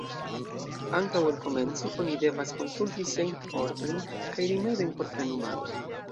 Antaŭ ol komenci, oni devas konsulti siajn fortojn kaj rimedojn por plenumado.